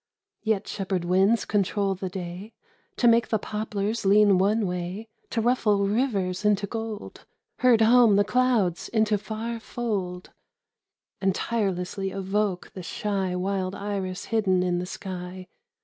Yet shepherd winds control the day, To make the poplars lean one way, To ruffle rivers into gold, Herd home the clouds into far fold, 21 The Return of Jeanne d'Arc And tirelessly evoke the shy Wild iris hidden in the sky.